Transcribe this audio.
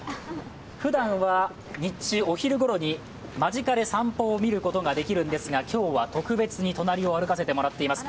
ふだんは日中、お昼ごろに間近で散歩を見ることができるんですが今日は特別に隣を歩かせてもらっています。